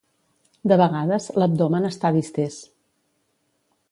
De vegades l'abdomen està distés.